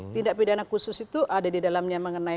tindak pidana khusus itu ada di dalamnya mengenai